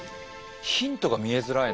ヒントが見えづらい